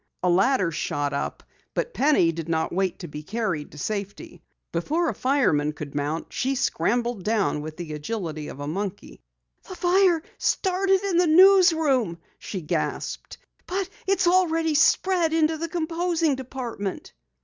A ladder shot up, but Penny did not wait to be carried to safety. Before a fireman could mount, she scrambled down with the agility of a monkey. "The fire started in the newsroom," she gasped. "But it's already spread into the composing department."